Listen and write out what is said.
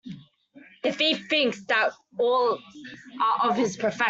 The thief thinks that all are of his profession.